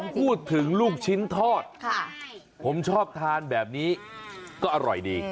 ผมพูดถึงลูกชิ้นทอดผมชอบทานแบบนี้ก็อร่อยดี